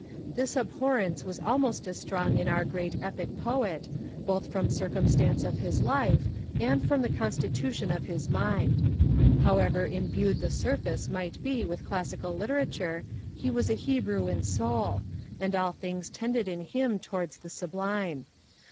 This abhorrence was almost as strong in our great epic Poet, both from circumstances of his life, and from the constitution of his mind. However imbued the surface might be with classical literature, he was a Hebrew in soul; and all things tended in him towards the sublime.